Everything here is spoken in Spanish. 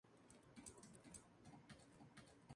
La actual iglesia parroquial está dedicada a San Ramón.